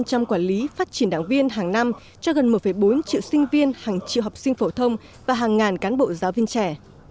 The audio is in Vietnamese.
trong quản lý phát triển đảng viên hàng năm cho gần một bốn triệu sinh viên hàng triệu học sinh phổ thông và hàng ngàn cán bộ giáo viên trẻ